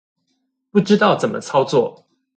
不知道怎麼操作